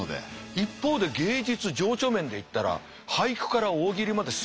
一方で芸術情緒面でいったら俳句から大喜利まですごいじゃないですか。